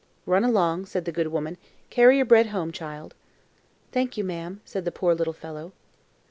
"Run along," said the good woman; "carry your bread home, child." "Thank you, ma'am," said the poor little fellow.